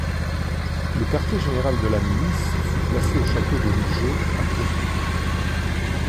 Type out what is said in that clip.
Le quartier général de la milice fut placé au château de Nijō à Kyoto.